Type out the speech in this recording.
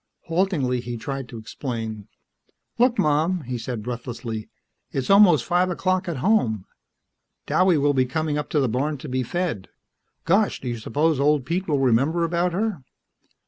Haltingly, he tried to explain. "Look, Mom," he said breathlessly. "It's almost five o'clock at home. Douwie will be coming up to the barn to be fed. Gosh, do you suppose old Pete will remember about her?"